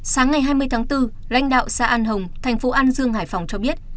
sáng ngày hai mươi tháng bốn lãnh đạo xã an hồng thành phố an dương hải phòng cho biết